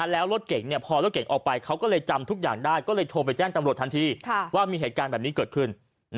แล้วรถเก่งพอรถเก่งออกไปเขาก็เลยจำทุกอย่างได้ก็เลยโทรไปแจ้งตำรวจทันทีว่ามีเหตุการณ์แบบนี้เกิดขึ้น